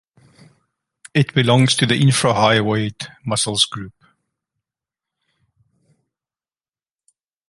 It belongs to the infrahyoid muscles group.